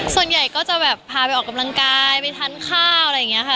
ส่วนใหญ่ก็จะแบบพาไปออกกำลังกายไปทานข้าวอะไรอย่างนี้ค่ะ